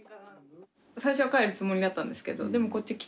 最初は帰るつもりだったんですけどでもこっち来て。